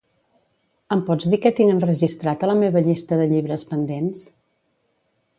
Em pots dir què tinc enregistrat a la meva llista de llibres pendents?